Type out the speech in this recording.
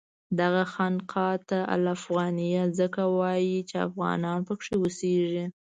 دغه خانقاه ته الافغانیه ځکه وایي چې افغانان پکې اوسېږي.